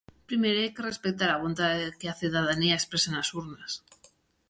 Primeiro hai que respectar a vontade que a cidadanía exprese nas urnas.